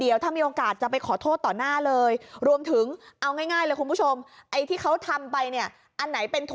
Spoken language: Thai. อย่างน้อยเนี่ย